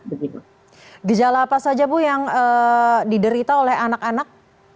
gejala apa saja bu yang diderita oleh anak anak